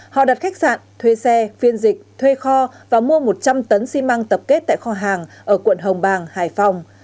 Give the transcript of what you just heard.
họ đặt khách sạn thuê xe phiên dịch thuê kho và mua một trăm linh tấn xi măng tập kết tại kho hàng ở quận hồng bàng hải phòng